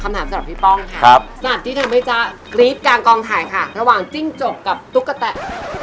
คำถามสำหรับพี่ป้องค่ะเธอไม่จะกลี้บการกองถ่ายค่ะระหว่างจิ้งจกกับตุ๊กกระแต๊ก